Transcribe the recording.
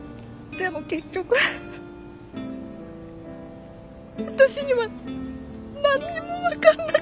でも結局私にはなんにもわからなかった。